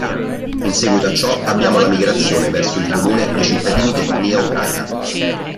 In seguito a ciò abbiamo la migrazione verso il comune di cittadini d'etnia ucraina.